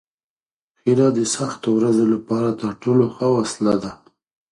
هیله د سختو ورځو لپاره تر ټولو ښه وسله ده.